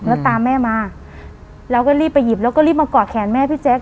แล้วตามแม่มาเราก็รีบไปหยิบแล้วก็รีบมาเกาะแขนแม่พี่แจ๊ค